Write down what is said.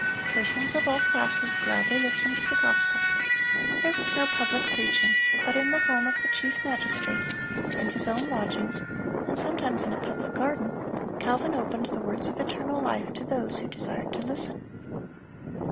Persons of all classes gladly listened to the gospel. There was no public preaching, but in the home of the chief magistrate, in his own lodgings, and sometimes in a public garden, Calvin opened the words of eternal life to those who desired to listen.